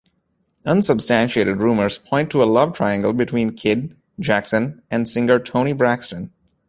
Unsubstantiated rumors point to a love triangle between Kidd, Jackson, and singer Toni Braxton.